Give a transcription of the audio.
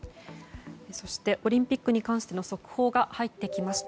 そして、オリンピックに関しての速報が入ってきました。